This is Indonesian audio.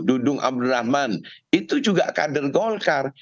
dudung abdul rahman itu juga kader golkar